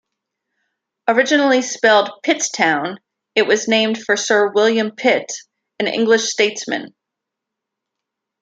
Originally spelled Pittstown, it was named for Sir William Pitt, an English statesman.